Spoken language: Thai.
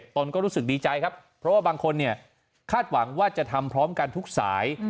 ตนก็รู้สึกดีใจครับเพราะว่าบางคนเนี่ยคาดหวังว่าจะทำพร้อมกันทุกสาย